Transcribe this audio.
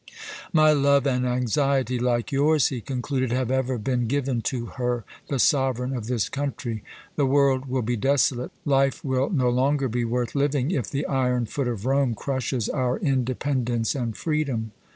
"My love and anxiety, like yours," he concluded, "have ever been given to her, the sovereign of this country. The world will be desolate, life will no longer be worth living, if the iron foot of Rome crushes our independence and freedom."